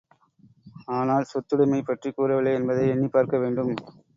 ஆனால், சொத்துடைமை பற்றிக் கூறவில்லை என்பதை எண்ணிப்பார்க்க வேண்டும்.